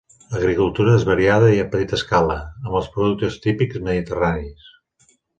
L'agricultura és variada i a petita escala, amb els productes típics mediterranis.